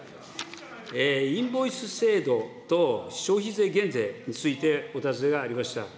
インボイス制度と消費税減税についてお尋ねがありました。